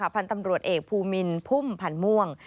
พันธุ์ตำรวจเอกภูมินพุ่มพันธ์ม่วง